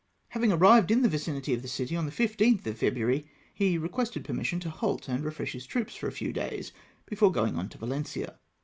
Having an ived in the vicinity of the city on the 15 th of February, he requested permission to halt and refi esh his troops for a few days, before going on to Valencia.